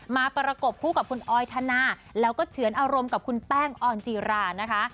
ประกบคู่กับคุณออยธนาแล้วก็เฉือนอารมณ์กับคุณแป้งออนจีรานะคะ